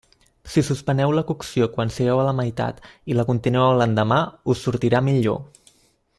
Si suspeneu la cocció quan sigueu a la meitat i la continueu l'endemà, us sortirà millor.